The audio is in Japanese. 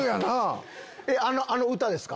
あの「歌」ですか？